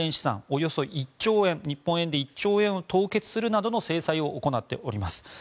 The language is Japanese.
およそ１兆円、日本円で１兆円を凍結するなどの制裁を行っております。